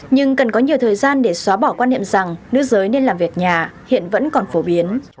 nhưng cần có nhiều thời gian để xóa bỏ quan niệm rằng nước giới nên làm việc nhà hiện vẫn còn phổ biến